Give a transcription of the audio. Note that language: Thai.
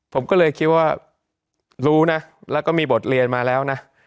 ผมก็เลยคิดว่ารู้นะแล้วก็มีบทเรียนมาแล้วนะ